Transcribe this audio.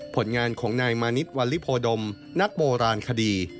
ผลงานของนายมานิดวันลิโพดมนักโบราณคดี